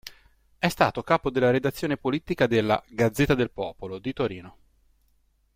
È stato capo della redazione politica della "Gazzetta del Popolo" di Torino.